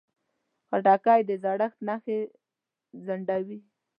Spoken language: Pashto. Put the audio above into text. خټکی د زړښت نښې ځنډوي.